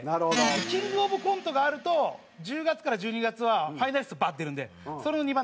キングオブコントがあると１０月から１２月はファイナリストバーッて出るんでそれの２番手３番手。